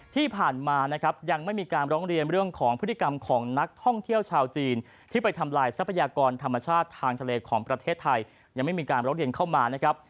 ที่ผ่านมานะครับยังไม่มีการร้องเรียนเรื่องของพฤติกรรมของนักท่องเที่ยวชาวจีนที่ไปทำลายทรัพยากรธรรมชาติทางทะเลของประเทศไทยยังไม่มีการร้องเรียนเข้ามานะครับ